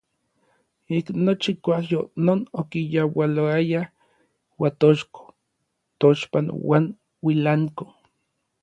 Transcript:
Ik nochi kuajyo non okiyaualoaya Uatochko, Tochpan uan Uilanko.